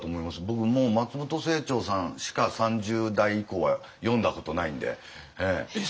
僕もう松本清張さんしか３０代以降は読んだことないんで。えっ！？